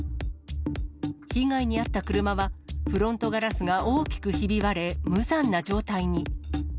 被害に遭った車は、フロントガラスが大きくひび割れ、無残な状態に。